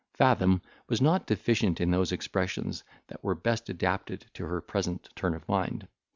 Fathom was not deficient in those expressions that were best adapted to her present turn of mind.